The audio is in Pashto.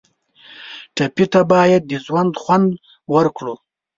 ټپي ته باید د ژوند خوند ورکړو.